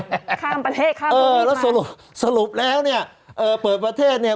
แต่ข้ามประเทศข้ามเออแล้วสรุปสรุปแล้วเนี่ยเอ่อเปิดประเทศเนี่ย